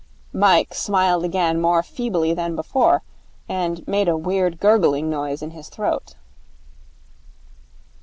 Mike smiled again more feebly than before, and made a weird gurgling noise in his throat.